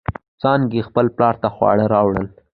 څانگې خپل پلار ته خواړه راوړل.